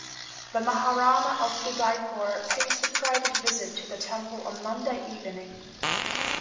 The Maharana of Udaipur pays a private visit to the temple on Monday evening.